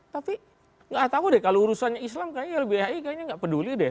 tapi nggak tahu deh kalau urusannya islam kayaknya lbhi kayaknya nggak peduli deh